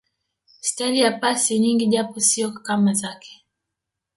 staili ya pasi nyingi japo siyo kama zake